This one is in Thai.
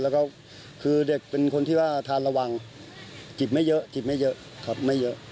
แล้วก็คือเด็กเป็นคนที่ว่าทานระวังจิบไม่เยอะจิบไม่เยอะครับไม่เยอะ